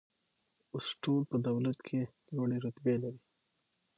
اوس ټول په دولت کې لوړې رتبې لري.